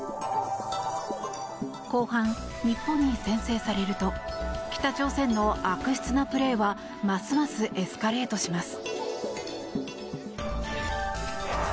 後半、日本に先制されると北朝鮮の悪質なプレーはますますエスカレートします。